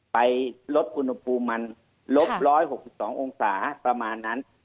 ไปลดอุณหภูมิมันลบ๑๖๒องศาประมาณนั้น